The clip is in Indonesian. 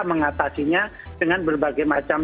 mengatasinya dengan berbagai macam